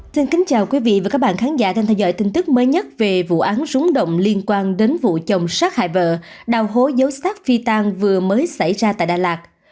xin kính chào quý vị và các bạn khán giả đang theo dõi tin tức mới nhất về vụ án rúng động liên quan đến vụ chồng sát hại vợ đào hố dấu xác phi tan vừa mới xảy ra tại đà lạt